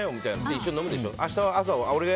一緒に飲むでしょ。